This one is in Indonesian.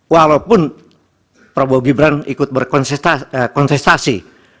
walaupun prabowo gibran ikut berkontestasi